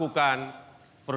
untuk peng scores